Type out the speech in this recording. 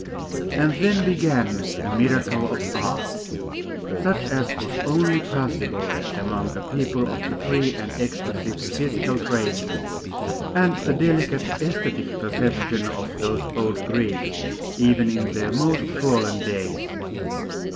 And then began a miracle of art, such as was only possible among a people of the free and exquisite physical training, and the delicate aesthetic perception of those old Greeks, even in their most fallen days.